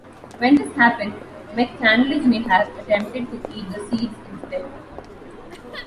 When this happened, McCandless may have attempted to eat the seeds instead.